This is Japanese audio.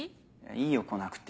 いいよ来なくて。